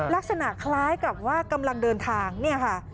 ลักษณะคล้ายกับว่ากำลังเดินทางเนี่ยค่ะ